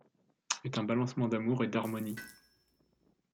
Est un balancement d'amour et d'harmonie ;